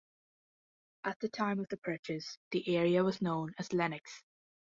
At the time of the purchase, the area was known as Lenox.